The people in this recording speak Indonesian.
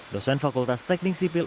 dosen fakultas teknik sipil